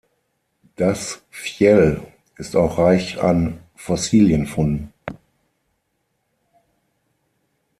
Das Fjell ist auch reich an Fossilienfunden.